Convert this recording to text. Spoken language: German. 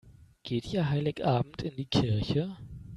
Geht ihr Heiligabend in die Kirche?